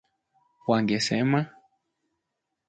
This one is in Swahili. ” wangesema